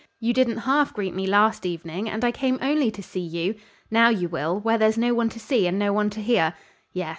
You didn't half greet me last evening, and I came only to see you. Now you will, where there's no one to see and no one to hear? Yes.